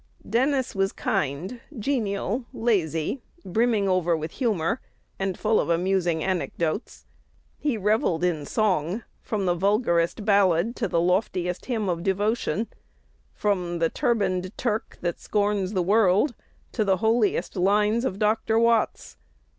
Dennis was kind, genial, lazy, brimming over with humor, and full of amusing anecdotes. He revelled in song, from the vulgarest ballad to the loftiest hymn of devotion; from "The turbaned Turk, that scorns the world," to the holiest lines of Doctor Watts.